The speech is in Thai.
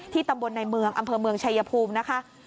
ที่ตำบลในอำเภอเมืองชายภูมินะคะ